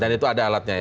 dan itu ada alatnya ya